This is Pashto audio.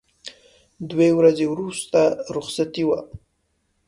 دوه ورځې وروسته رخصتي وه.